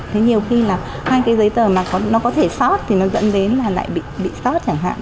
thế nhiều khi là hai cái giấy tờ mà nó có thể sót thì nó dẫn đến là lại bị sót chẳng hạn